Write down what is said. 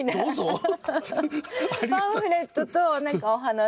パンフレットと何かお花で。